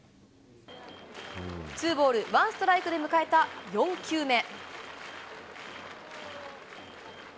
ツーボールワンストライクで迎えた４球目。